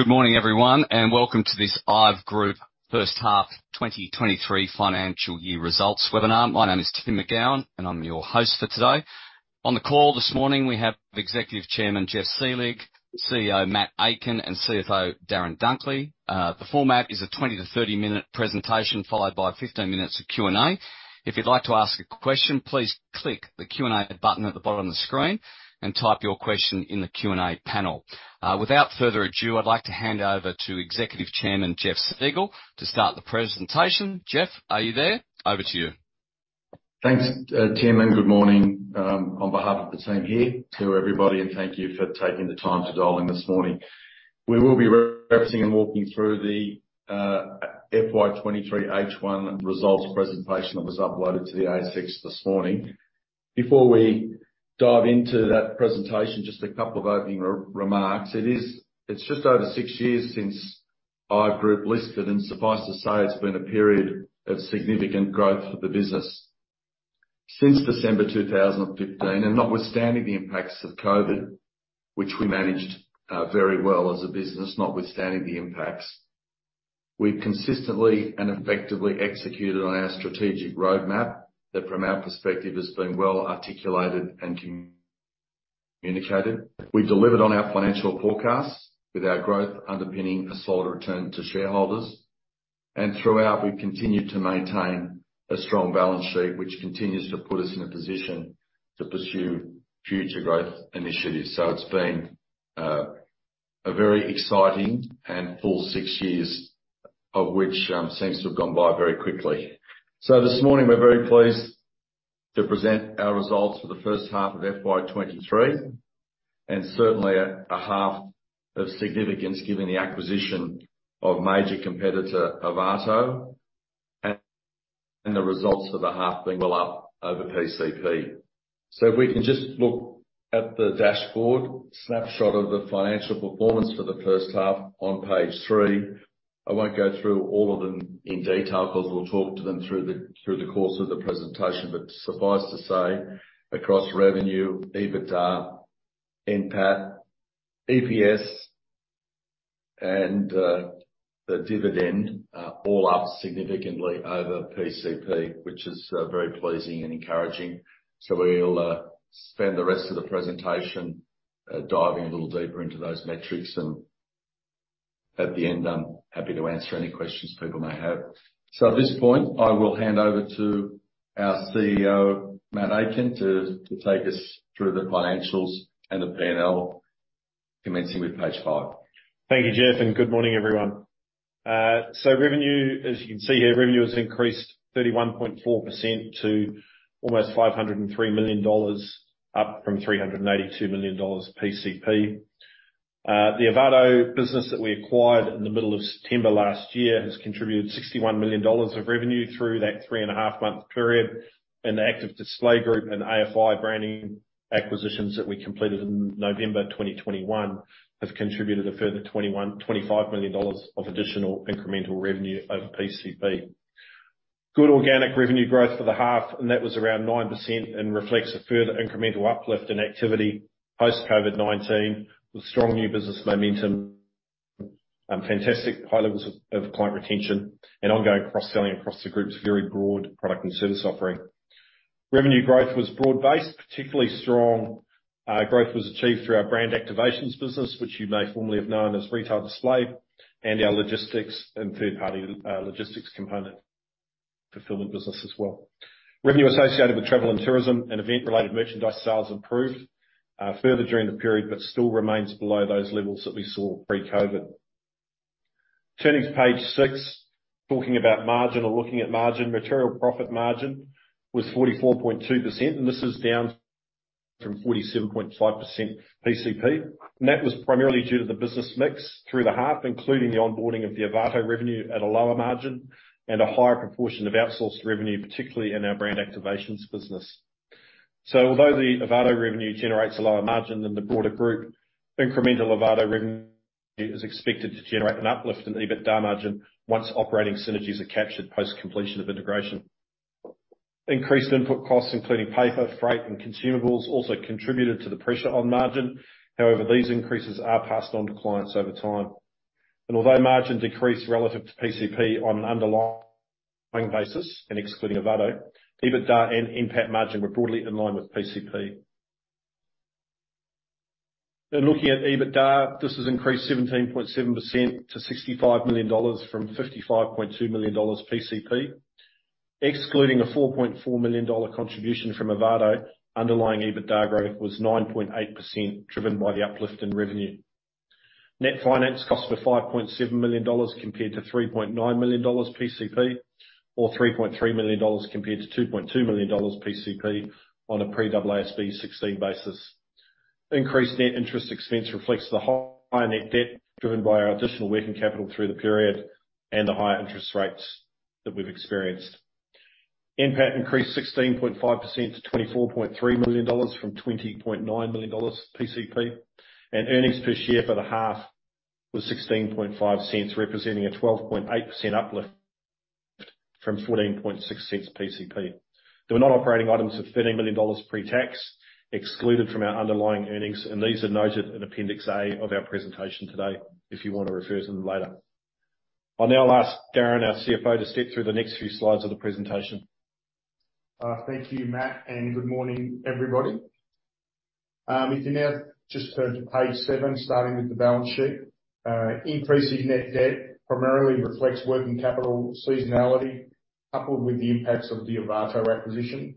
Good morning, everyone, and welcome to this IVE Group first half 2023 financial year results webinar. My name is Tim McGowen, and I'm your host for today. On the call this morning, we have Executive Chairman, Geoff Selig, CEO, Matt Aitken, and CFO, Darren Dunkley. The format is a 20-30 minute presentation, followed by 15 minutes of Q&A. If you'd like to ask a question, please click the Q&A button at the bottom of the screen and type your question in the Q&A panel. Without further ado, I'd like to hand over to Executive Chairman, Geoff Selig, to start the presentation. Geoff, are you there? Over to you. Thanks, Tim, good morning, on behalf of the team here to everybody, and thank you for taking the time to dial in this morning. We will be reversing and walking through the FY23 H1 results presentation that was uploaded to the ASX this morning. Before we dive into that presentation, just a couple of opening remarks. It's just over six years since IVE Group listed, suffice to say it's been a period of significant growth for the business. Since December 2015, notwithstanding the impacts of COVID-19, which we managed very well as a business. We've consistently and effectively executed on our strategic roadmap that from our perspective has been well articulated and communicated. We've delivered on our financial forecasts with our growth underpinning a solid return to shareholders. Throughout, we've continued to maintain a strong balance sheet, which continues to put us in a position to pursue future growth initiatives. It's been a very exciting and full six years, of which seems to have gone by very quickly. This morning, we're very pleased to present our results for the first half of FY23, and certainly a half of significance giving acquisition of major competitor, Ovato, and the results for the half being well up over PCP. If we can just look at the dashboard snapshot of the financial performance for the first half on page 3. I won't go through all of them in detail because we'll talk to them through the course of the presentation. Suffice to say, across revenue, EBITDA, NPAT, EPS, and the dividend, all up significantly over PCP, which is very pleasing and encouraging. We'll spend the rest of the presentation, diving a little deeper into those metrics, and at the end, I'm happy to answer any questions people may have. At this point, I will hand over to our CEO, Matt Aitken, to take us through the financials and the P&L, commencing with page five. Thank you, Geoff, good morning, everyone. Revenue, as you can see here, revenue has increased 31.4% to almost 503 million dollars, up from 382 million dollars PCP. The Ovato business that we acquired in the middle of September last year has contributed 61 million dollars of revenue through that three-and-a-half month period. The Active Display Group and AFI Branding acquisitions that we completed in November 2021 have contributed a further 25 million dollars of additional incremental revenue over PCP. Good organic revenue growth for the half, and that was around 9% and reflects a further incremental uplift in activity post-COVID-19, with strong new business momentum, fantastic high levels of client retention, and ongoing cross-selling across the group's very broad product and service offering. Revenue growth was broad-based. Particularly strong growth was achieved through our brand activations business, which you may formerly have known as Retail Display, and our logistics and third-party logistics component fulfillment business as well. Revenue associated with travel and tourism and event-related merchandise sales improved further during the period. Still remains below those levels that we saw pre-COVID. Turning to page 6, talking about margin or looking at margin. Material profit margin was 44.2%. This is down from 47.5% PCP. That was primarily due to the business mix through the half, including the onboarding of the Ovato revenue at a lower margin and a higher proportion of outsourced revenue, particularly in our brand activations business. Although the Ovato revenue generates a lower margin than the broader group, incremental Ovato revenue is expected to generate an uplift in EBITDA margin once operating synergies are captured post completion of integration. Increased input costs, including paper, freight, and consumables, also contributed to the pressure on margin. However, these increases are passed on to clients over time. Although margin decreased relative to PCP on an underlying basis and excluding Ovato, EBITDA and NPAT margin were broadly in line with PCP. Looking at EBITDA, this has increased 17.7% to 65 million dollars from 55.2 million dollars PCP. Excluding a 4.4 million dollar contribution from Ovato, underlying EBITDA growth was 9.8%, driven by the uplift in revenue. Net finance costs were 5.7 million dollars compared to 3.9 million dollars PCP, or 3.3 million dollars compared to 2.2 million dollars PCP on a pre-IFRS 16 basis. Increased net interest expense reflects the higher net debt driven by our additional working capital through the period and the higher interest rates that we've experienced. NPAT increased 16.5% to 24.3 million dollars from 20.9 million dollars PCP. Earnings per share for the half was 0.165, representing a 12.8% uplift from 0.146 PCP. There were non-operating items of 13 million dollars pre-tax excluded from our underlying earnings, and these are noted in Appendix A of our presentation today if you wanna refer to them later. I'll now ask Darren, our CFO, to step through the next few slides of the presentation. Thank you, Matt, good morning, everybody. If you now just turn to page 7, starting with the balance sheet. Increase in net debt primarily reflects working capital seasonality, coupled with the impacts of the Ovato acquisition.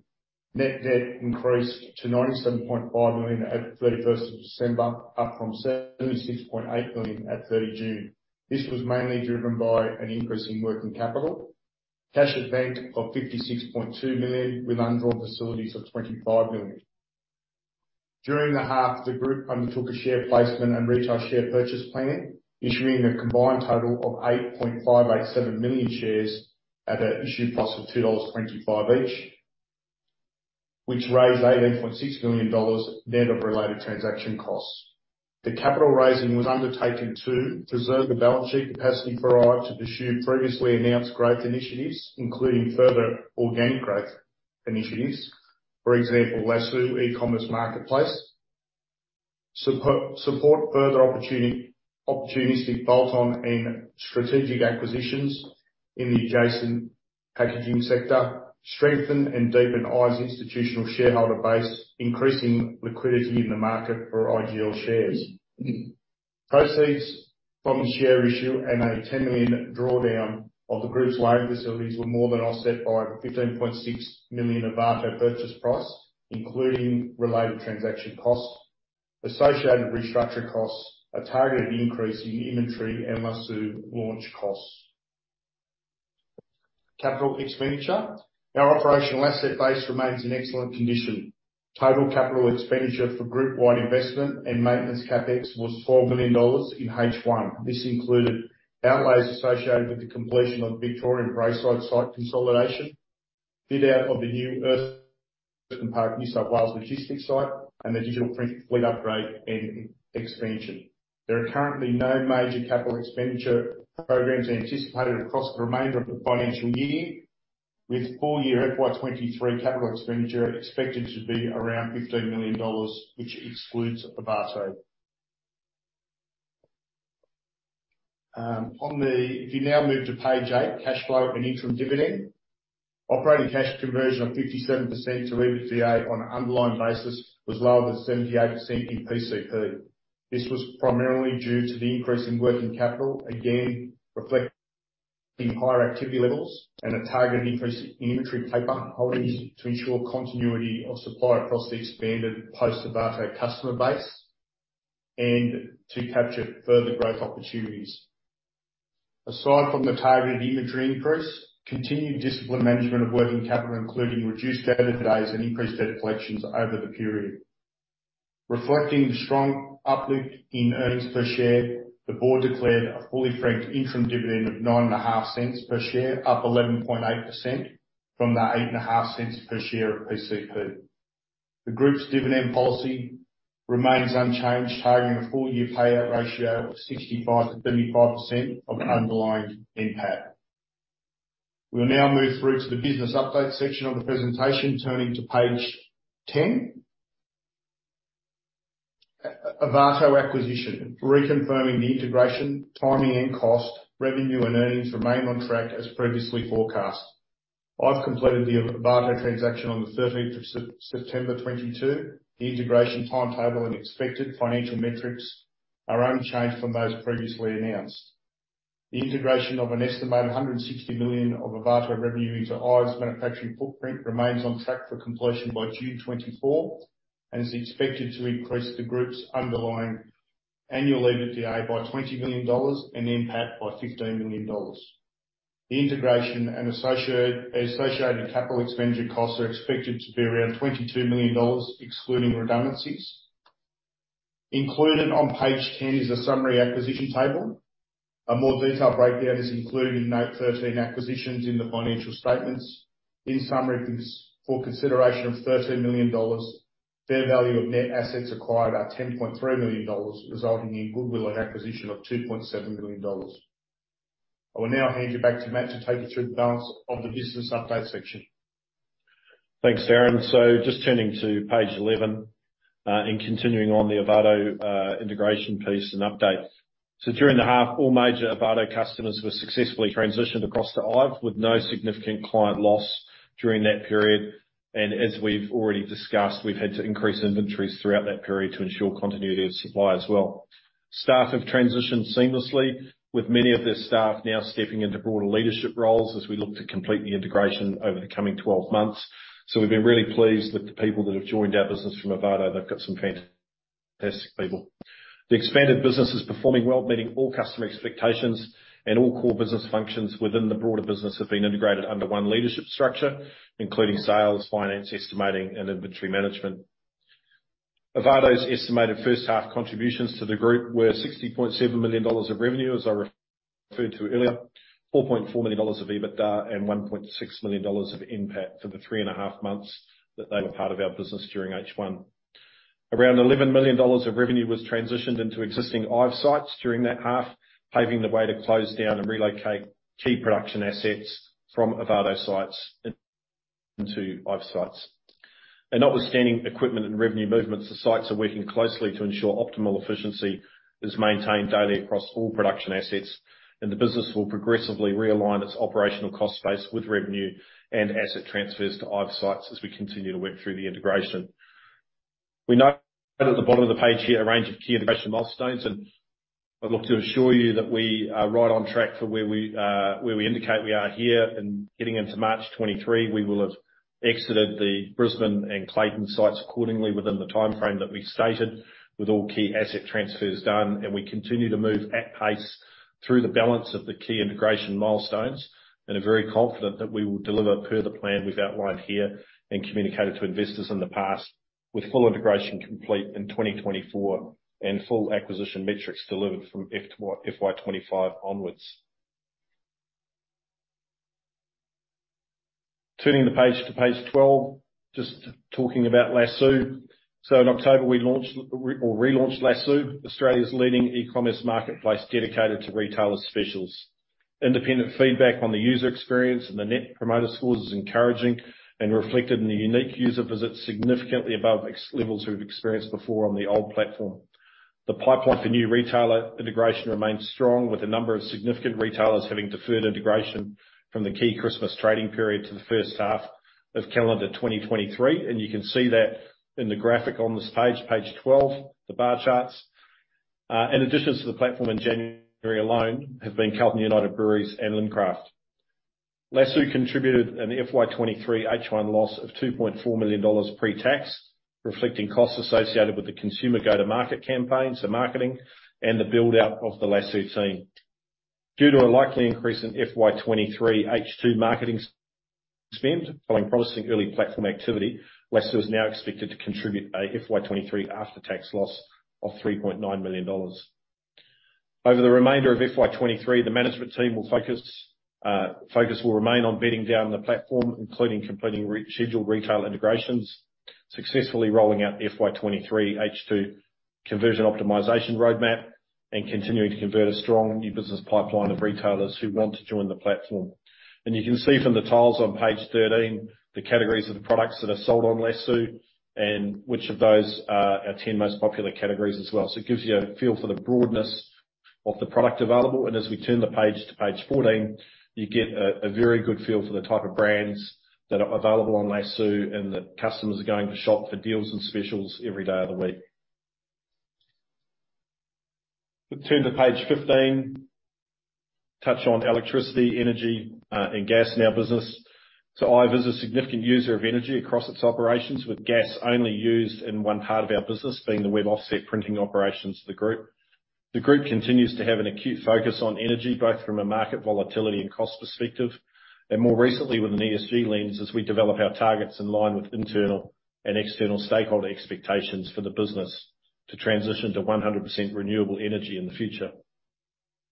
Net debt increased to 97.5 million at 31st of December, up from 76.8 million at 30 June. This was mainly driven by an increase in working capital. Cash at bank of 56.2 million, with undrawn facilities of 25 million. During the half, the group undertook a share placement and retail share purchase plan, issuing a combined total of 8.587 million shares at an issue price of 2.25 dollars each. Which raised 18.6 million dollars net of related transaction costs. The capital raising was undertaken to preserve the balance sheet capacity for IVE to pursue previously announced growth initiatives, including further organic growth initiatives. For example, Lasoo eCommerce Marketplace. Support further opportunistic bolt-on and strategic acquisitions in the adjacent packaging sector. Strengthen and deepen IVE's institutional shareholder base, increasing liquidity in the market for IGL shares. Proceeds from the share issue and a 10 million drawdown of the group's loan facilities were more than offset by a 15.6 million Ovato purchase price, including related transaction costs, associated restructuring costs, a targeted increase in inventory and Lasoo launch costs. Capital expenditure. Our operational asset base remains in excellent condition. Total capital expenditure for group-wide investment and maintenance CapEx was 4 million dollars in H1. This included outlays associated with the completion of Victorian Braeside site consolidation, fit-out of the new Erskine Park New South Wales logistics site, and the digital print fleet upgrade and expansion. There are currently no major capital expenditure programs anticipated across the remainder of the financial year, with full year FY23 capital expenditure expected to be around 15 million dollars, which excludes Ovato. If you now move to page 8, cash flow and interim dividend. Operating cash conversion of 57% to EBITDA on an underlying basis was lower than 78% in PCP. This was primarily due to the increase in working capital, again reflecting higher activity levels and a targeted increase in inventory paper holdings to ensure continuity of supply across the expanded post-Ovato customer base, and to capture further growth opportunities. Aside from the targeted inventory increase, continued disciplined management of working capital, including reduced debtor days and increased debtor collections over the period. Reflecting the strong uplift in earnings per share, the board declared a fully franked interim dividend of 0.095 per share, up 11.8% from the 0.085 per share of PCP. The Group's dividend policy remains unchanged, targeting a full year payout ratio of 65%-75% of underlying NPAT. We will now move through to the business update section of the presentation. Turning to page 10. Ovato acquisition. Reconfirming the integration, timing, and cost, revenue and earnings remain on track as previously forecast. IVE completed the Ovato transaction on the 13th of September 2022. The integration timetable and expected financial metrics are unchanged from those previously announced. The integration of an estimated 160 million of Ovato revenue into IVE's manufacturing footprint remains on track for completion by June 2024, is expected to increase the group's underlying annual EBITDA by 20 million dollars and NPAT by 15 million dollars. The integration and associated capital expenditure costs are expected to be around 22 million dollars excluding redundancies. Included on page 10 is a summary acquisition table. A more detailed breakdown is included in Note 13 - Acquisitions in the financial statements. In summary, this, for consideration of AUD 13 million, fair value of net assets acquired are AUD 10.3 million, resulting in goodwill on acquisition of AUD 2.7 million. I will now hand you back to Matt to take you through the balance of the business update section. Thanks, Darren. Just turning to page 11, and continuing on the Ovato integration piece and update. During the half, all major Ovato customers were successfully transitioned across to IVE, with no significant client loss during that period. As we've already discussed, we've had to increase inventories throughout that period to ensure continuity of supply as well. Staff have transitioned seamlessly, with many of their staff now stepping into broader leadership roles as we look to complete the integration over the coming 12 months. We've been really pleased with the people that have joined our business from Ovato. They've got some fantastic people. The expanded business is performing well, meeting all customer expectations. All core business functions within the broader business have been integrated under one leadership structure, including sales, finance, estimating, and inventory management. Ovato's estimated first half contributions to the group were 60.7 million dollars of revenue, as I refer to earlier, 4.4 million dollars of EBITDA and 1.6 million dollars of NPAT for the three and a half months that they were part of our business during H1. Around 11 million dollars of revenue was transitioned into existing IV sites during that half, paving the way to close down and relocate key production assets from Ovato sites into IV sites. Notwithstanding equipment and revenue movements, the sites are working closely to ensure optimal efficiency is maintained daily across all production assets, and the business will progressively realign its operational cost base with revenue and asset transfers to IV sites as we continue to work through the integration. We know at the bottom of the page here a range of key integration milestones, and I'd look to assure you that we are right on track for where we, where we indicate we are here. Getting into March 2023, we will have exited the Brisbane and Clayton sites accordingly within the time frame that we stated with all key asset transfers done. We continue to move at pace through the balance of the key integration milestones and are very confident that we will deliver per the plan we've outlined here and communicated to investors in the past with full integration complete in 2024 and full acquisition metrics delivered from FY 2025 onwards. Turning the page to page 12, just talking about Lasoo. In October, we launched or relaunched Lasoo, Australia's leading e-commerce marketplace dedicated to retailer specials. Independent feedback on the user experience and the Net Promoter Scores is encouraging and reflected in the unique user visits, significantly above ex-levels we've experienced before on the old platform. The pipeline for new retailer integration remains strong, with a number of significant retailers having deferred integration from the key Christmas trading period to the first half of calendar 2023. You can see that in the graphic on this page 12, the bar charts. In addition to the platform in January alone have been Carlton & United Breweries and Lincraft. Lasoo contributed an FY23 H1 loss of 2.4 million dollars pre-tax, reflecting costs associated with the consumer go-to-market campaigns, the marketing, and the build-out of the Lasoo team. Due to a likely increase in FY23 H2 marketing spend following promising early platform activity, Lasoo is now expected to contribute a FY23 after-tax loss of 3.9 million dollars. Over the remainder of FY23, the management team will focus will remain on bedding down the platform, including completing re-scheduled retail integrations, successfully rolling out FY23 H2 conversion optimization roadmap, and continuing to convert a strong new business pipeline of retailers who want to join the platform. You can see from the tiles on page 13 the categories of the products that are sold on Lasoo and which of those are our 10 most popular categories as well. It gives you a feel for the broadness of the product available. As we turn the page to page 14, you get a very good feel for the type of brands that are available on Lasoo and that customers are going to shop for deals and specials every day of the week. If we turn to page 15, touch on electricity, energy, and gas in our business. IVE is a significant user of energy across its operations, with gas only used in one part of our business being the web offset printing operations of the group. The group continues to have an acute focus on energy, both from a market volatility and cost perspective, and more recently with an ESG lens, as we develop our targets in line with internal and external stakeholder expectations for the business to transition to 100% renewable energy in the future.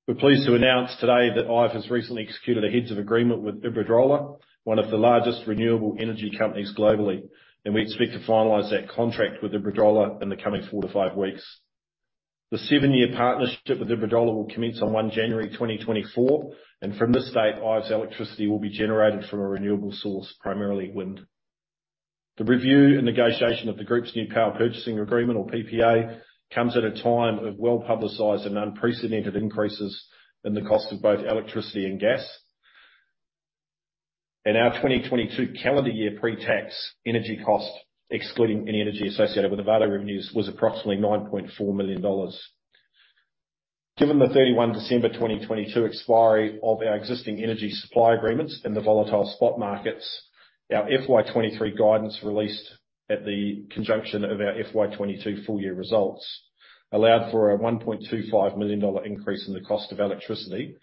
We're pleased to announce today that IV has recently executed a heads of agreement with Iberdrola, one of the largest renewable energy companies globally. We expect to finalize that contract with Iberdrola in the coming 4-5 weeks. The 7-year partnership with Iberdrola will commence on January 1, 2024. From this date, IV's electricity will be generated from a renewable source, primarily wind. The review and negotiation of the group's new power purchasing agreement or PPA comes at a time of well-publicized and unprecedented increases in the cost of both electricity and gas. In our 2022 calendar year pre-tax energy cost, excluding any energy associated with Ovato revenues, was approximately 9.4 million dollars. Given the 31 December 2022 expiry of our existing energy supply agreements in the volatile spot markets, our FY23 guidance released at the conjunction of our FY22 full year results allowed for an 1.25 million dollar increase in the cost of electricity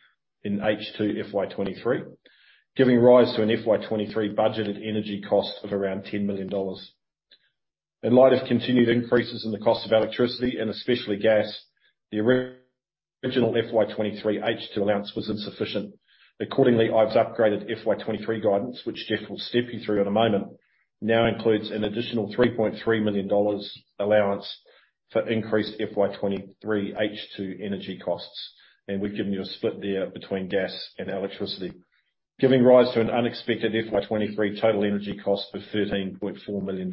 in H2 FY23, giving rise to an FY23 budgeted energy cost of around 10 million dollars. In light of continued increases in the cost of electricity and especially gas, the original FY23 H2 allowance was insufficient. Accordingly, IVE Group's upgraded FY23 guidance, which Geoff will step you through in a moment, now includes an additional 3.3 million dollars allowance for increased FY23 H2 energy costs. We've given you a split there between gas and electricity, giving rise to an unexpected FY23 total energy cost of AUD 13.4 million.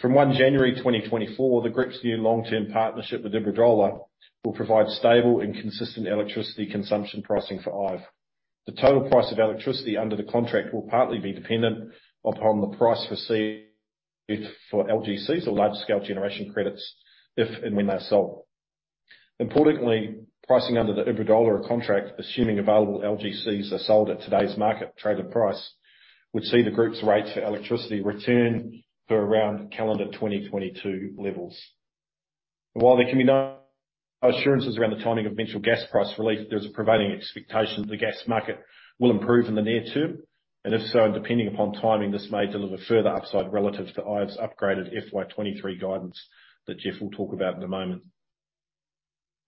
From 1 January 2024, the group's new long-term partnership with Iberdrola will provide stable and consistent electricity consumption pricing for IV. The total price of electricity under the contract will partly be dependent upon the price for LGCs or large-scale generation credits if and when they are sold. Importantly, pricing under the Iberdrola contract, assuming available LGCs are sold at today's market traded price, would see the group's rate for electricity return to around calendar 2022 levels. While there can be no assurances around the timing of eventual gas price relief, there's a prevailing expectation that the gas market will improve in the near term. If so, depending upon timing, this may deliver further upside relative to IVE's upgraded FY23 guidance that Geoff will talk about in a moment.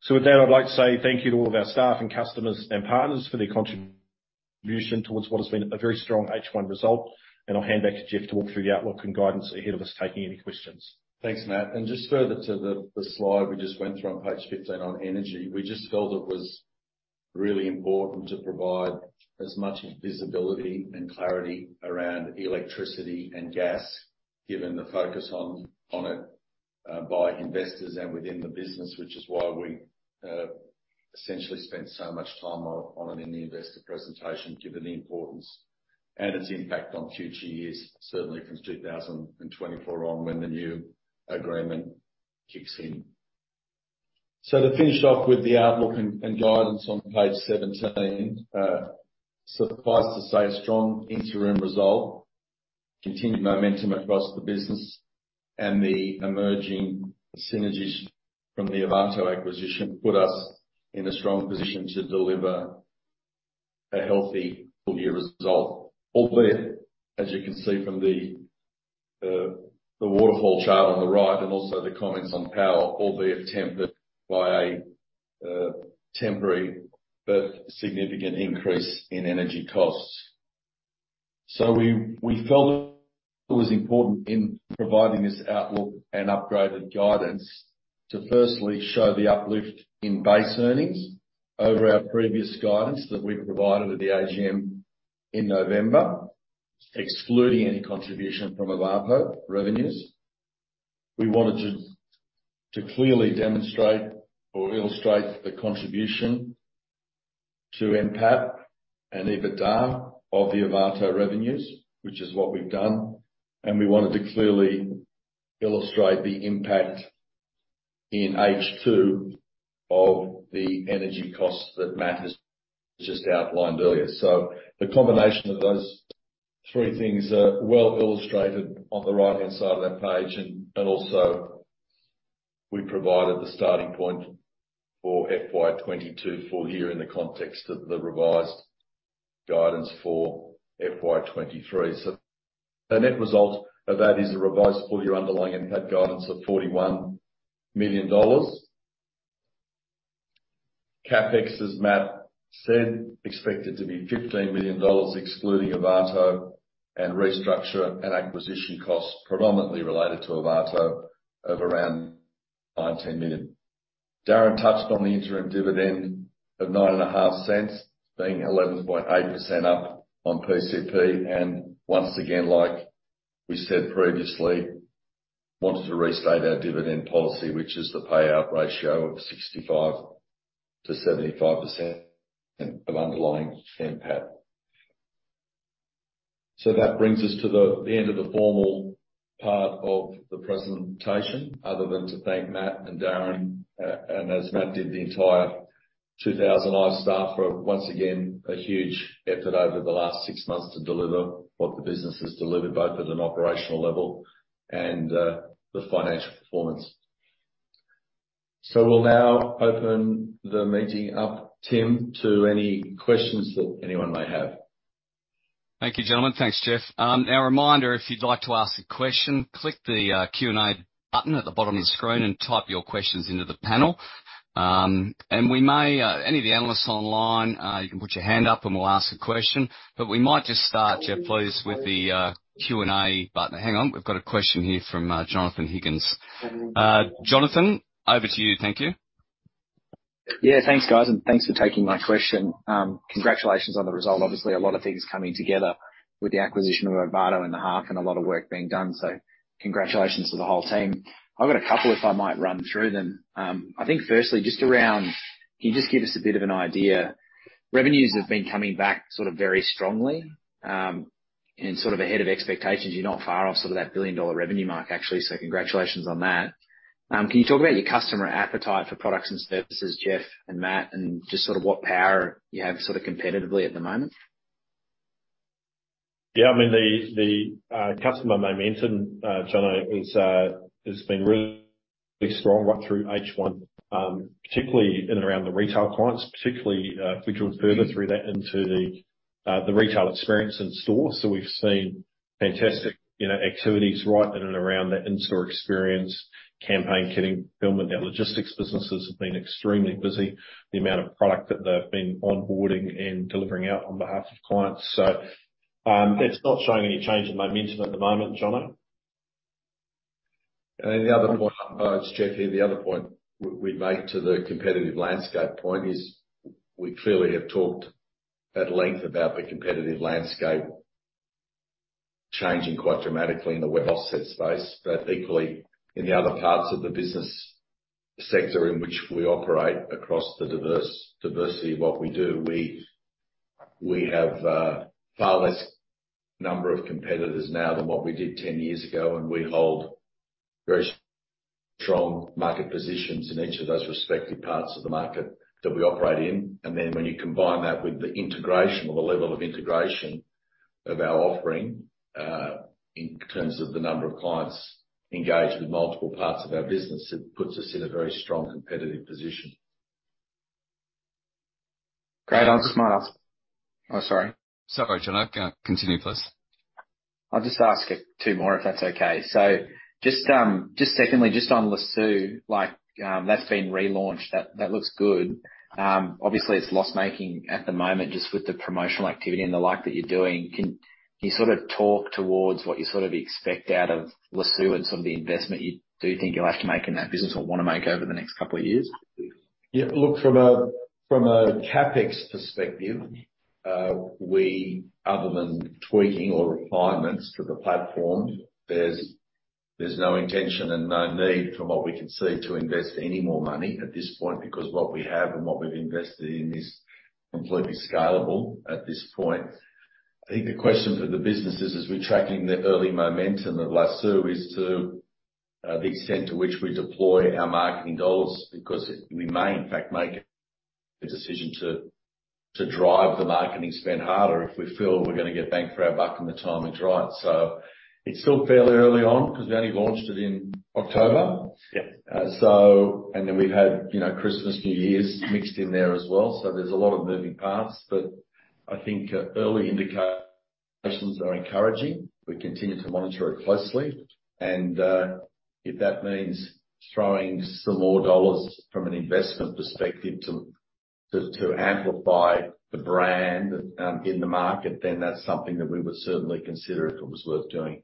With that, I'd like to say thank you to all of our staff and customers and partners for their contribution towards what has been a very strong H1 result. I'll hand back to Geoff to walk through the outlook and guidance ahead of us taking any questions. Thanks, Matt. Just further to the slide we just went through on page 15 on energy, we just felt it was really important to provide as much visibility and clarity around electricity and gas, given the focus on it by investors and within the business, which is why we essentially spent so much time on it in the investor presentation, given the importance and its impact on future years, certainly from 2024 on when the new agreement kicks in. To finish off with the outlook and guidance on page 17, suffice to say, a strong interim result, continued momentum across the business and the emerging synergies from the Ovato acquisition put us in a strong position to deliver a healthy full year result. Albeit, as you can see from the waterfall chart on the right, and also the comments on power, albeit tempered by a temporary but significant increase in energy costs. We felt it was important in providing this outlook and upgraded guidance to firstly show the uplift in base earnings over our previous guidance that we provided at the AGM in November, excluding any contribution from Ovato revenues. We wanted to clearly demonstrate or illustrate the contribution to NPAT and EBITDA of the Ovato revenues, which is what we've done. We wanted to clearly illustrate the impact in H2 of the energy costs that Matt has just outlined earlier. The combination of those three things are well illustrated on the right-hand side of that page. Also we provided the starting point for FY22 full year in the context of the revised guidance for FY23. The net result of that is a revised full year underlying NPAT guidance of 41 million dollars. CapEx, as Matt said, expected to be 15 million dollars excluding Ovato and restructure and acquisition costs predominantly related to Ovato of around 9 million-10 million. Darren touched on the interim dividend of nine and a half cents being 11.8% up on PCP and once again, like we said previously, wanted to restate our dividend policy, which is the payout ratio of 65%-75% of underlying NPAT. That brings us to the end of the formal part of the presentation other than to thank Matt and Darren, and as Matt did the entire 2,000 IVE staff for once again a huge effort over the last six months to deliver what the business has delivered, both at an operational level and the financial performance. We'll now open the meeting up, Tim, to any questions that anyone may have. Thank you, gentlemen. Thanks, Jeff. Now a reminder, if you'd like to ask a question, click the Q&A button at the bottom of the screen and type your questions into the panel. We may, any of the analysts online, you can put your hand up and we'll ask a question, but we might just start, Jeff, please, with the Q&A button. Hang on. We've got a question here from Jonathon Higgins. Jonathon, over to you. Thank you. Yeah, thanks, guys, thanks for taking my question. Congratulations on the result. Obviously a lot of things coming together with the acquisition of Ovato and the half and a lot of work being done. Congratulations to the whole team. I've got a couple if I might run through them. I think firstly just around, can you just give us a bit of an idea? Revenues have been coming back sort of very strongly, sort of ahead of expectations. You're not far off sort of that billion dollar revenue mark actually. Congratulations on that. Can you talk about your customer appetite for products and services, Geoff and Matt, just sort of what power you have sort of competitively at the moment? Yeah, I mean the customer momentum, Jono, has been really strong right through H1, particularly in and around the retail clients, if we drill further through that into the retail experience in store. We've seen fantastic, you know, activities right in and around that in-store experience, campaign kitting, fulfillment. Our logistics businesses have been extremely busy. The amount of product that they've been onboarding and delivering out on behalf of clients. It's not showing any change in momentum at the moment, Jono. The other point, it's Geoff here. The other point we'd make to the competitive landscape point is we clearly have talked at length about the competitive landscape changing quite dramatically in the web offset space. Equally in the other parts of the business sector in which we operate across the diversity of what we do, we have far less number of competitors now than what we did 10 years ago, and we hold very strong market positions in each of those respective parts of the market that we operate in. When you combine that with the integration or the level of integration of our offering, in terms of the number of clients engaged with multiple parts of our business, it puts us in a very strong competitive position. Great. I'll just might ask... Oh, sorry. It's all right, Jono. Go, continue, please. I'll just ask, two more if that's okay. Just, just secondly, just on Lasoo, like, that's been relaunched. That looks good. Obviously, it's loss-making at the moment just with the promotional activity and the like that you're doing. Can you sort of talk towards what you sort of expect out of Lasoo and some of the investment you think you'll have to make in that business or wanna make over the next couple of years? Yeah. Look, from a, from a CapEx perspective, other than tweaking or refinements to the platform, there's no intention and no need from what we can see to invest any more money at this point, because what we have and what we've invested in is completely scalable at this point. I think the question for the business is, as we're tracking the early momentum of Lasoo, is to the extent to which we deploy our marketing goals. We may, in fact, make a decision to drive the marketing spend harder if we feel we're gonna get bang for our buck and the timing's right. It's still fairly early on because we only launched it in October. Yeah. We've had, you know, Christmas, New Year's mixed in there as well. There's a lot of moving parts. I think early indications are encouraging. We continue to monitor it closely. If that means throwing some more AUD from an investment perspective to amplify the brand in the market, that's something that we would certainly consider if it was worth doing.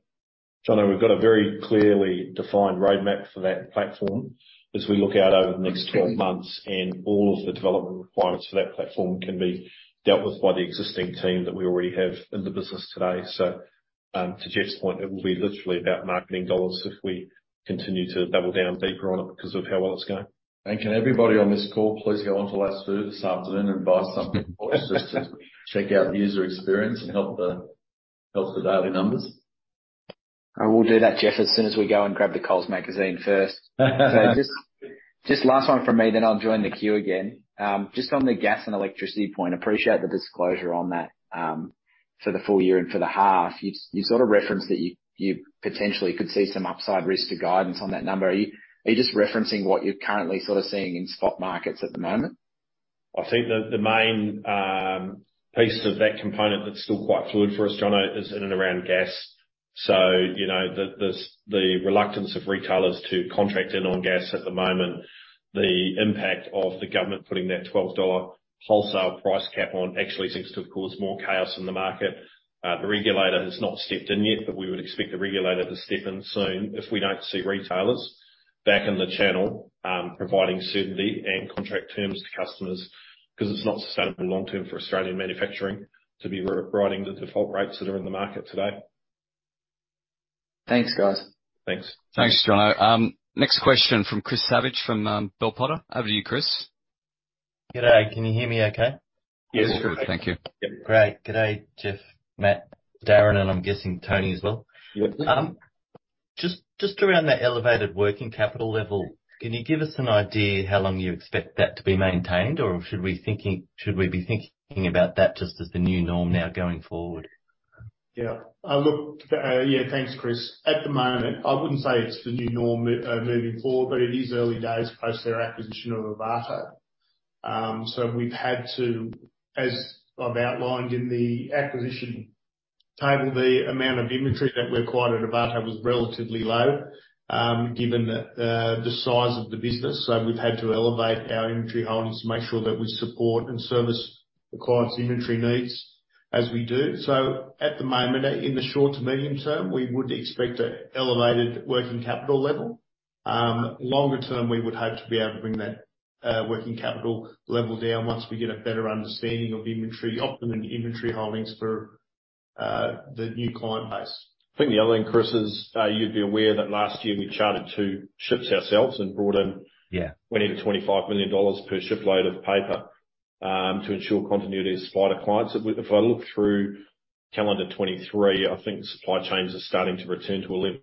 Jono, we've got a very clearly defined roadmap for that platform as we look out over the next 12 months, and all of the development requirements for that platform can be dealt with by the existing team that we already have in the business today. To Geoff's point, it will be literally about marketing dollars if we continue to double down deeper on it because of how well it's going. Can everybody on this call please go on to Lasoo this afternoon and buy something for us just to check out the user experience and help the, help the daily numbers? I will do that, Geoff, as soon as we go and grab the Coles magazine first. Just last one from me, then I'll join the queue again. Just on the gas and electricity point, appreciate the disclosure on that, for the full year and for the half. You sort of referenced that you potentially could see some upside risk to guidance on that number. Are you just referencing what you're currently sort of seeing in stock markets at the moment? I think the main piece of that component that's still quite fluid for us, Jono, is in and around gas. You know, the reluctance of retailers to contract in on gas at the moment, the impact of the government putting that 12 dollar wholesale price cap on actually seems to have caused more chaos in the market. The regulator has not stepped in yet, we would expect the regulator to step in soon if we don't see retailers back in the channel, providing certainty and contract terms to customers, 'cause it's not sustainable long-term for Australian manufacturing to be writing the default rates that are in the market today. Thanks, guys. Thanks. Thanks, Jono. Next question from Chris Savage from Bell Potter. Over to you, Chris. G'day. Can you hear me okay? Yes. Sure. Thank you. Great. G'day, Geoff, Matt, Darren, and I'm guessing Tony as well. Yep. Just around that elevated working capital level, can you give us an idea how long you expect that to be maintained, or should we be thinking about that just as the new norm now going forward? Thanks, Chris. At the moment, I wouldn't say it's the new norm moving forward, it is early days post our acquisition of Ovato. We've had to, as I've outlined in the acquisition table, the amount of inventory that we acquired at Ovato was relatively low, given the size of the business. We've had to elevate our inventory holdings to make sure that we support and service the client's inventory needs as we do. At the moment, in the short to medium term, we would expect a elevated working capital level. Longer term, we would hope to be able to bring that working capital level down once we get a better understanding of optimum inventory holdings for the new client base. I think the other thing, Chris, is, you'd be aware that last year we chartered 2 ships ourselves and brought in. Yeah... 20 million-25 million dollars per shipload of paper to ensure continuity of supply to clients. If I look through calendar 2023, I think supply chains are starting to return to a level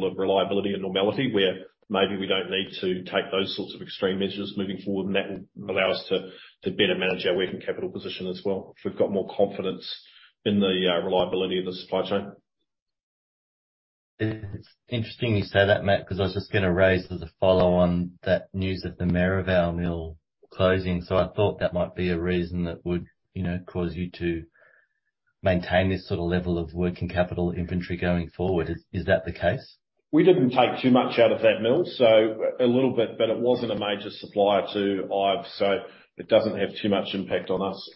of reliability and normality, where maybe we don't need to take those sorts of extreme measures moving forward, and that will allow us to better manage our working capital position as well, if we've got more confidence in the reliability of the supply chain. It's interesting you say that, Matt, 'cause I was just gonna raise as a follow-on that news of the Maryvale mill closing. I thought that might be a reason that would, you know, cause you to maintain this sort of level of working capital inventory going forward. Is that the case? We didn't take too much out of that mill, so a little bit, but it wasn't a major supplier to IVE, so it doesn't have too much impact on us.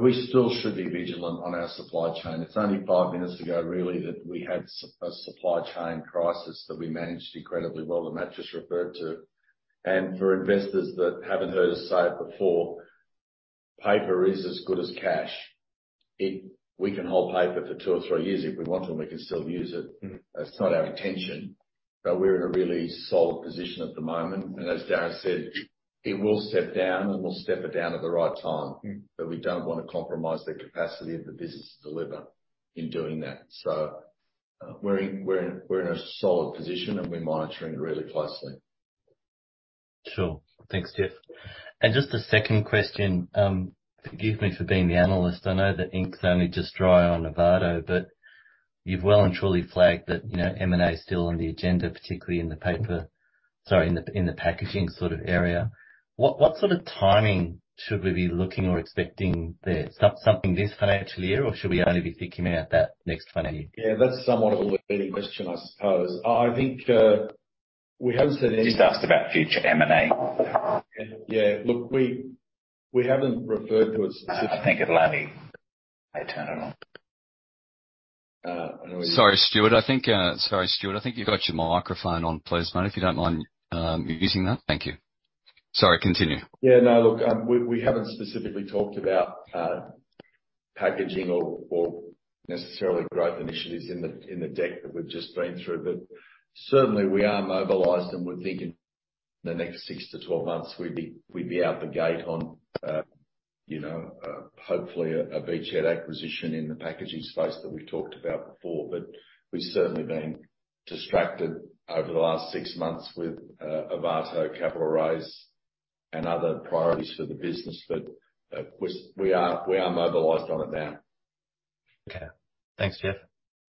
We still should be vigilant on our supply chain. It's only five minutes ago, really, that we had a supply chain crisis that we managed incredibly well, that Matt just referred to. For investors that haven't heard us say it before, paper is as good as cash. We can hold paper for two or three years if we want to, and we can still use it. Mm-hmm. That's not our intention, but we're in a really solid position at the moment. As Darren said, it will step down, and we'll step it down at the right time. Mm-hmm. We don't wanna compromise the capacity of the business to deliver in doing that. We're in a solid position, and we're monitoring it really closely. Sure. Thanks, Geoff. Just a second question. Forgive me for being the analyst. I know the ink's only just dry on Ovato. You've well and truly flagged that, you know, M&A is still on the agenda, particularly in the paper. Sorry, in the packaging sort of area. What sort of timing should we be looking or expecting there? Something this financial year, or should we only be thinking about that next financial year? Yeah, that's somewhat of a leading question, I suppose. I think, we haven't seen. Just asked about future M&A. Yeah. Look, we haven't referred to a specific- I think I turn it on. I know where you are. Sorry, Stuart. I think you got your microphone on. Please mate, if you don't mind, using that. Thank you. Sorry, continue. Yeah, no. Look, we haven't specifically talked about packaging or necessarily growth initiatives in the deck that we've just been through. Certainly we are mobilized, and we're thinking in the next 6-12 months we'd be out the gate on, you know, hopefully a big hit acquisition in the packaging space that we've talked about before. We've certainly been distracted over the last six months with Ovato capital raise and other priorities for the business. We are mobilized on it now. Okay. Thanks, Geoff.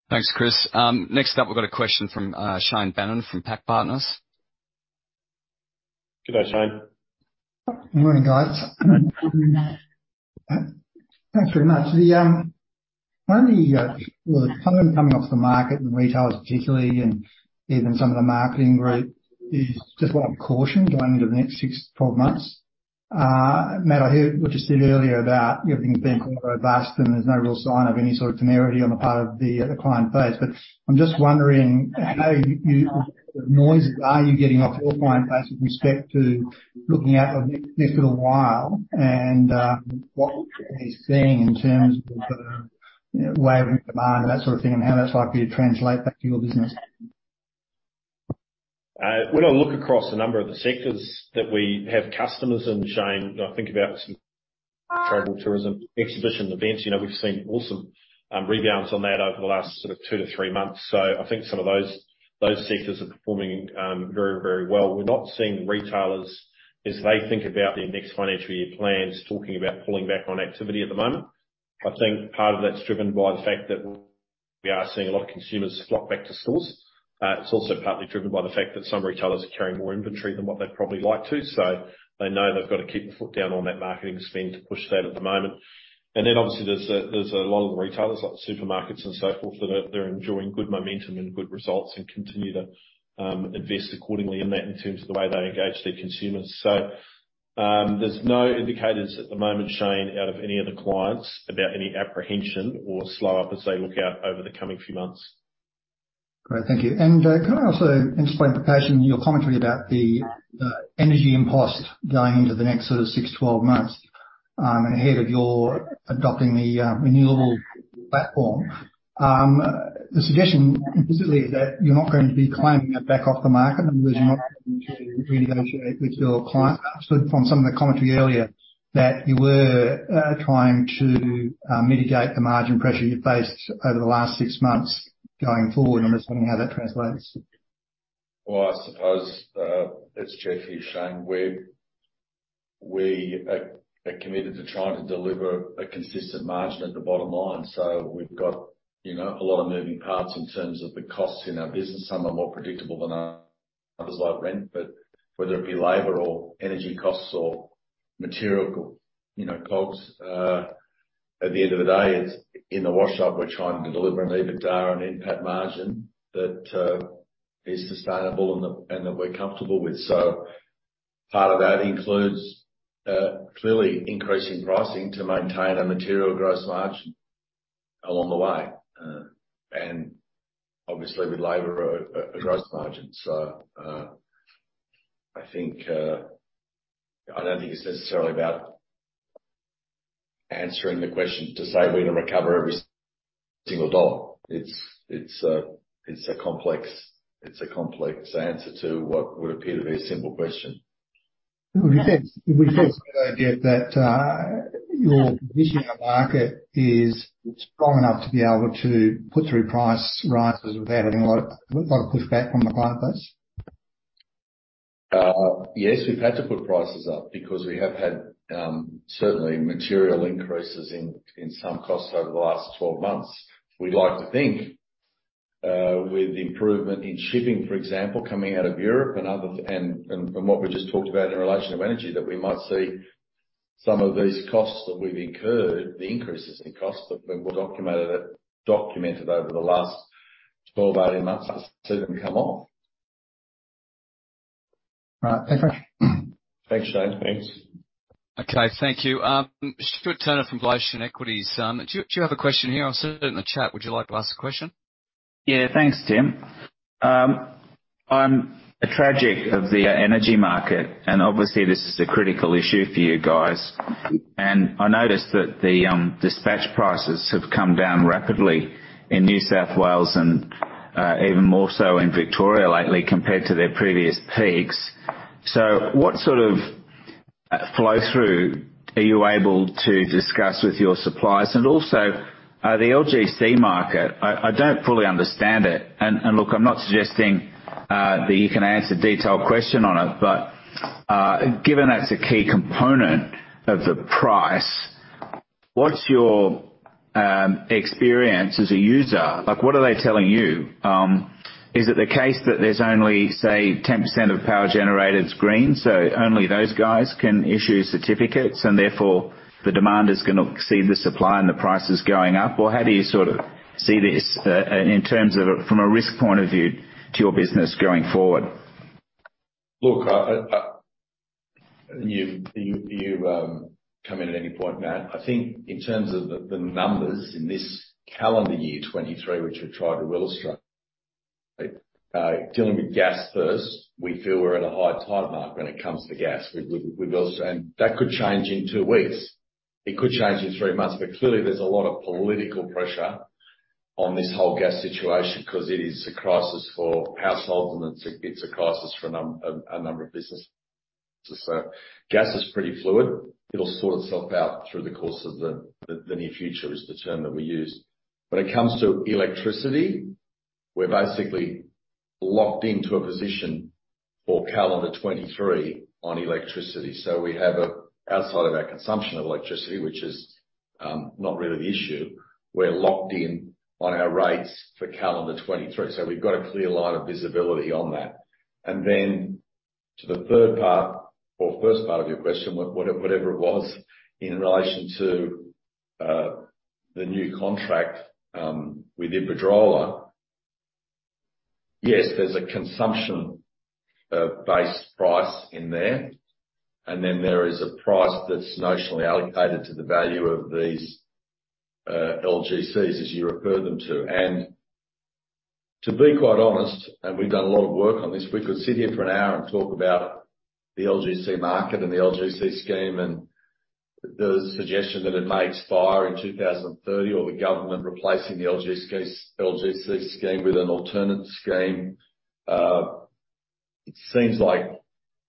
Thanks, Chris. next up we've got a question from, Shane Bannon from PAC Partners. G'day, Shane. Good morning, guys. Thanks very much. The only volume coming off the market in retailers particularly, and even some of the marketing group, is just like caution going into the next 6-12 months. Matt, I heard what you said earlier about everything's being quite robust and there's no real sign of any sort of temerity on the part of the client base. I'm just wondering what noises are you getting off your client base with respect to looking out a bit for a while and what are you seeing in terms of the sort of, you know, wave in demand, that sort of thing, and how that's likely to translate back to your business? When I look across a number of the sectors that we have customers in, Shane Bannon, I think about some travel and tourism, exhibition events. You know, we've seen awesome rebounds on that over the last sort of two to three months. I think some of those sectors are performing very, very well. We're not seeing retailers, as they think about their next financial year plans, talking about pulling back on activity at the moment. I think part of that's driven by the fact that we are seeing a lot of consumers flock back to stores. It's also partly driven by the fact that some retailers are carrying more inventory than what they'd probably like to. They know they've got to keep their foot down on that marketing spend to push that at the moment. Obviously there's a lot of the retailers, like the supermarkets and so forth, they're enjoying good momentum and good results and continue to invest accordingly in that in terms of the way they engage their consumers. There's no indicators at the moment, Shane, out of any of the clients about any apprehension or slow up as they look out over the coming few months. Great. Thank you. Can I also interpret the passion in your commentary about the energy impost going into the next sort of 6-12 months ahead of your adopting the renewable platform. The suggestion implicitly is that you're not going to be claiming that back off the market and that you're not going to renegotiate with your clients. From some of the commentary earlier, that you were trying to mitigate the margin pressure you faced over the last 6 months going forward. I'm just wondering how that translates. I suppose, it's Geoff here, Shane. We are committed to trying to deliver a consistent margin at the bottom line. We've got, you know, a lot of moving parts in terms of the costs in our business. Some are more predictable than others like rent, but whether it be labor or energy costs or material, you know, costs, at the end of the day it's in the wash-up, we're trying to deliver an EBITDA and NPAT margin that is sustainable and that we're comfortable with. Part of that includes, clearly increasing pricing to maintain a material gross margin along the way. And obviously with labor, a gross margin. I think, I don't think it's necessarily about answering the question to say we're going to recover every single AUD. It's a complex answer to what would appear to be a simple question. Would you also get that, your position in the market is strong enough to be able to put through price rises without having a lot of pushback from the client base? Yes. We've had to put prices up because we have had certainly material increases in some costs over the last 12 months. We'd like to think, with improvement in shipping, for example, coming out of Europe and other and what we just talked about in relation to energy, that we might see some of these costs that we've incurred, the increases in costs that we've documented over the last 12, 18 months, us see them come off. All right. Thanks, mate. Thanks, Shane. Thanks. Okay. Thank you. Stuart Turner from Blue Ocean Equities, do you have a question here? I saw it in the chat. Would you like to ask a question? Thanks, Tim. I'm a tragic of the energy market, obviously this is a critical issue for you guys. I noticed that the dispatch prices have come down rapidly in New South Wales, even more so in Victoria lately compared to their previous peaks. What sort of flow through are you able to discuss with your suppliers? Also, the LGC market. I don't fully understand it. Look, I'm not suggesting that you can answer detailed question on it. Given that's a key component of the price, what's your experience as a user? Like, what are they telling you? Is it the case that there's only, say, 10% of power generated is green, so only those guys can issue certificates and therefore the demand is gonna exceed the supply and the price is going up? How do you sort of see this in terms of from a risk point of view to your business going forward? You, you come in at any point, Matt. I think in terms of the numbers in this calendar year 23, which we've tried to illustrate, dealing with gas first, we feel we're at a high tide mark when it comes to gas. We've illustrated. That could change in 2 weeks. It could change in 3 months. Clearly, there's a lot of political pressure on this whole gas situation 'cause it is a crisis for households and it's a crisis for a number of businesses. Gas is pretty fluid. It'll sort itself out through the course of the near future, is the term that we use. When it comes to electricity, we're basically locked into a position for calendar 23 on electricity. Outside of our consumption of electricity, which is not really the issue, we're locked in on our rates for calendar 2023. We've got a clear line of visibility on that. To the third part or first part of your question, whatever it was in relation to the new contract with Iberdrola. Yes, there's a consumption base price in there, and then there is a price that's notionally allocated to the value of these LGCs, as you refer them to. To be quite honest, and we've done a lot of work on this, we could sit here for one hour and talk about the LGC market and the LGC scheme, and the suggestion that it may expire in 2030 or the government replacing the LGC scheme with an alternate scheme. It seems like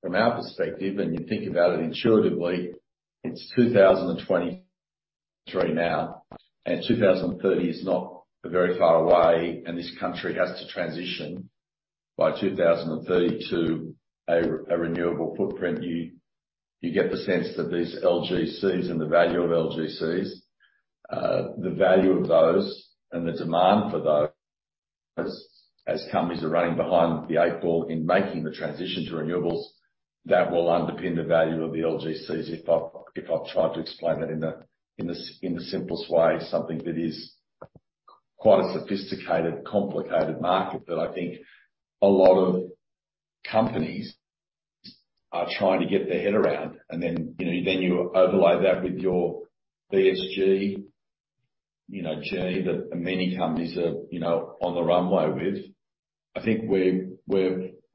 from our perspective, and you think about it intuitively, it's 2023 now, and 2030 is not very far away and this country has to transition by 2030 to a renewable footprint. You get the sense that these LGCs and the value of LGCs, the value of those and the demand for those as companies are running behind the eight ball in making the transition to renewables, that will underpin the value of the LGCs, if I've tried to explain that in the simplest way, something that is quite a sophisticated, complicated market that I think a lot of companies are trying to get their head around. You know, then you overlay that with your ESG, you know, journey that many companies are, you know, on the runway with. I think we're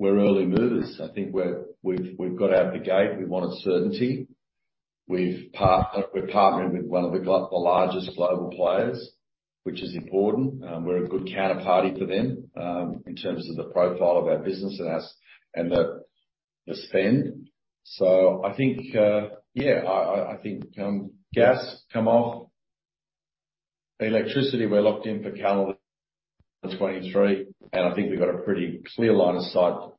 early movers. I think we've got out of the gate, we wanted certainty. We're partnering with one of the largest global players, which is important. We're a good counterparty for them in terms of the profile of our business and the spend. I think gas come off. Electricity, we're locked in for calendar 2023, and I think we've got a pretty clear line of sight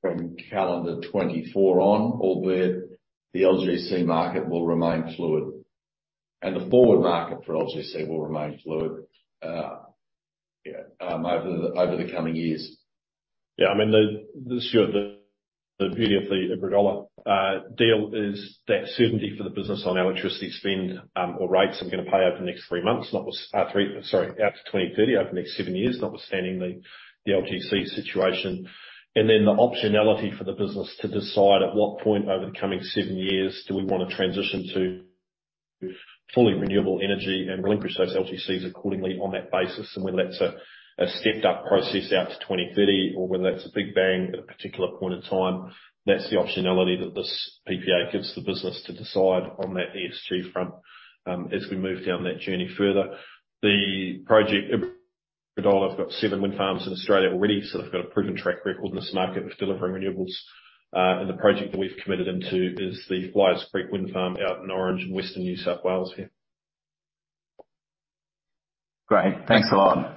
from calendar 2024 on, albeit the LGC market will remain fluid and the forward market for LGC will remain fluid over the coming years. Yeah, I mean, Stuart, the beauty of the Iberdrola deal is that certainty for the business on our electricity spend, or rates we're gonna pay out to 2030, over the next 7 years, notwithstanding the LGC situation. The optionality for the business to decide at what point over the coming 7 years do we wanna transition to fully renewable energy and relinquish those LGCs accordingly on that basis. Whether that's a stepped up process out to 2030 or whether that's a big bang at a particular point in time. That's the optionality that this PPA gives the business to decide on that ESG front, as we move down that journey further. The project, Iberdrola, have got 7 wind farms in Australia already, so they've got a proven track record in this market with delivering renewables. The project that we've committed into is the Flyers Creek Wind Farm out in Orange in Western New South Wales here. Great. Thanks a lot.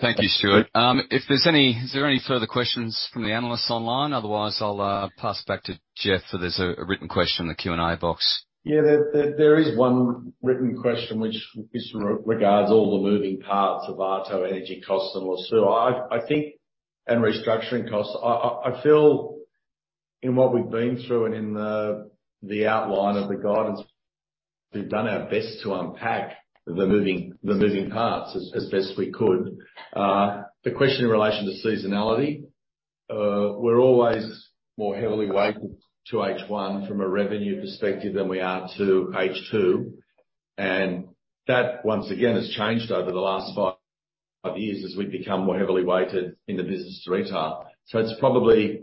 Thank you, Stuart. Is there any further questions from the analysts online? Otherwise, I'll pass back to Geoff, so there's a written question in the Q&A box. Yeah. There is one written question which is regards all the moving parts of Ovato energy costs and Lasoo. I think. Restructuring costs. I feel in what we've been through and in the outline of the guidance, we've done our best to unpack the moving parts as best we could. The question in relation to seasonality, we're always more heavily weighted to H1 from a revenue perspective than we are to H2. That, once again, has changed over the last five years as we've become more heavily weighted in the business to retail. It's probably-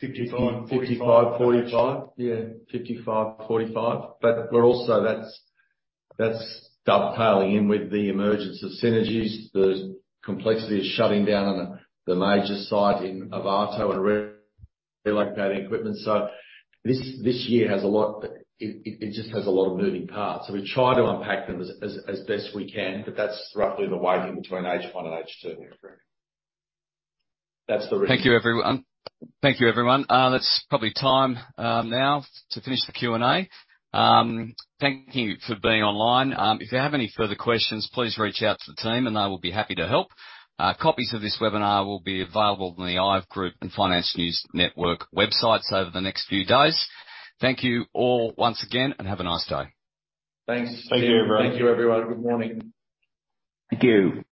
Fifty-five. 55, 45. Yeah, 55, 45. That's dovetailing in with the emergence of synergies. The complexity of shutting down on the major site in, of Ovato and relocating equipment. This year has a lot. It just has a lot of moving parts. We try to unpack them as best we can. That's roughly the weighting between H1 and H2. Yeah. Correct. That's. Thank you, everyone. Thank you, everyone. That's probably time now to finish the Q&A. Thank you for being online. If you have any further questions, please reach out to the team and they will be happy to help. Copies of this webinar will be available on the IVE Group and Finance News Network websites over the next few days. Thank you all once again, and have a nice day. Thanks. Thank you, everyone. Thank you, everyone. Good morning. Thank you.